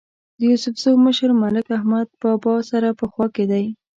د یوسفزو مشر ملک احمد بابا سره په خوا کې دی.